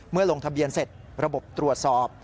ลงทะเบียนเสร็จระบบตรวจสอบ